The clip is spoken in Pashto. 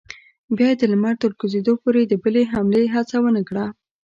بیا یې د لمر تر کوزېدو پورې د بلې حملې هڅه ونه کړه.